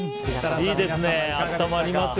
いいですね、温まりますよ